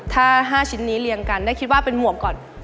ถ้า๕ชิ้นนี้เรียงกันได้คิดว่าเป็นหมวกก่อน